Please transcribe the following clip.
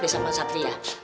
biasa sama satria